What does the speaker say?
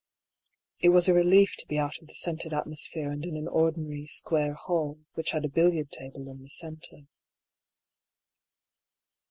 It was a relief to be out of the scented atmosphere and in an ordinary, square hall, which had a billiard table in the centre.